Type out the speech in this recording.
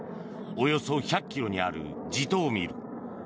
およそ１００ｋｍにあるジトーミル。